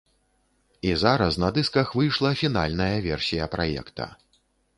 І зараз на дысках выйшла фінальная версія праекта.